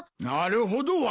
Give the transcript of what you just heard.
なるほど。